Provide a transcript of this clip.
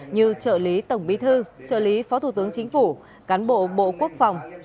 như trợ lý tổng bí thư trợ lý phó thủ tướng chính phủ cán bộ bộ quốc phòng